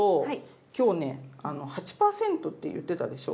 今日ね８％って言ってたでしょ。